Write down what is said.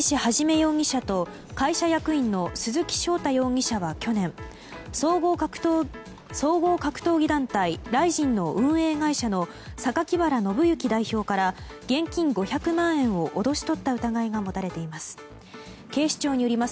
容疑者と会社役員の鈴木翔太容疑者は去年総合格闘技団体ＲＩＺＩＮの運営会社の榊原信行代表から現金５００万円を脅し取った疑いが持たれています。